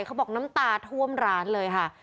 เขาบอกน้ำตาท่วมร้านเลยค่ะ